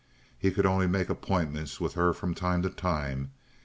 He could only make appointments with her from time to time.